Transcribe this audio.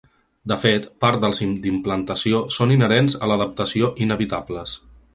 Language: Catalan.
De fet, part dels d’implantació són inherents a l’adaptació, inevitables.